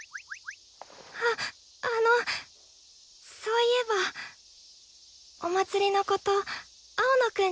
ああのそういえばお祭りのこと青野くんに伝えた？